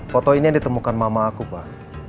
foto ini yang ditemukan mama aku pak